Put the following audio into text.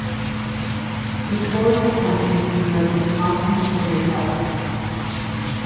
He toured the country to promote Wisconsin's dairy products.